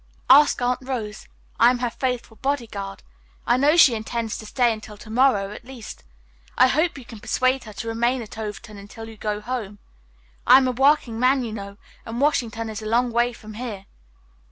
"Ask Aunt Rose. I am her faithful bodyguard. I know she intends to stay until to morrow at least. I hope you can persuade her to remain at Overton until you go home. I am a working man now, you know, and Washington is a long way from here."